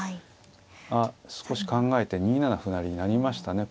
あっ少し考えて２七歩成成りましたね。